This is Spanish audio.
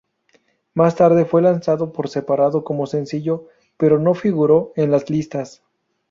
Más tarde fue lanzado por separado como sencillo, pero no figuró en las listas.